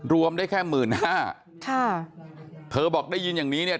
รวมได้แค่หมื่นห้าค่ะเธอบอกได้ยินอย่างนี้เนี่ย